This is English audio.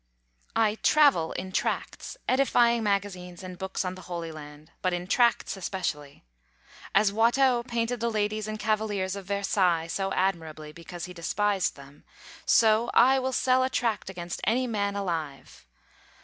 I "travel" in Tracts, edifying magazines, and books on the Holy Land; but in Tracts especially. As Watteau painted the ladies and cavaliers of Versailles so admirably, because he despised them, so I will sell a Tract against any man alive.